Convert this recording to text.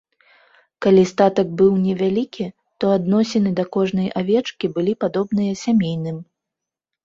Калі статак быў невялікі, то адносіны да кожнай авечкі былі падобныя сямейным.